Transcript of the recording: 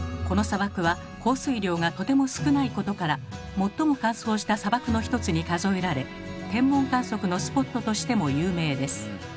この砂漠は降水量がとても少ないことから最も乾燥した砂漠の一つに数えられ天文観測のスポットとしても有名です。